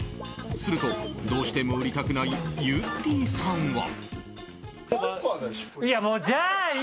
すると、どうしても売りたくないゆってぃさんは。